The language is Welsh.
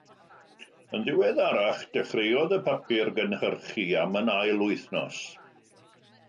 Yn ddiweddarach, dechreuodd y papur gynhyrchu am yn ail wythnos.